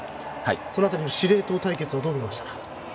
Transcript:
その辺りの司令塔対決はどう見ましたか？